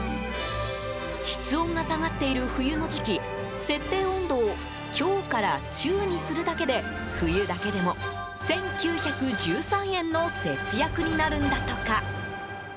室温が下がっている冬の時期設定温度を「強」から「中」にするだけで冬だけでも１９１３円の節約になるんだとか。